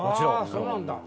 そうなんだ。